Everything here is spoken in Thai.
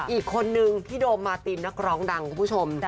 อีกคนนึงพี่โดมมาตินนักร้องดังคุณผู้ชม